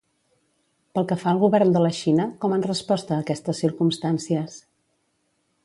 Pel que fa al govern de la Xina, com han respost a aquestes circumstàncies?